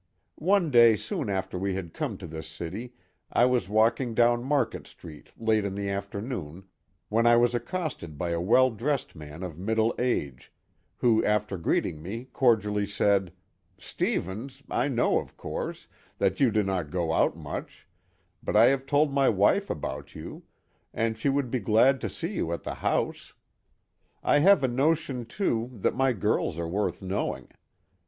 One day soon after we had come to this city I was walking down Market street late in the afternoon, when I was accosted by a well dressed man of middle age, who after greeting me cordially said: "Stevens, I know, of course, that you do not go out much, but I have told my wife about you, and she would be glad to see you at the house. I have a notion, too, that my girls are worth knowing.